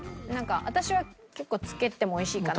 私は結構つけてもおいしいかなって。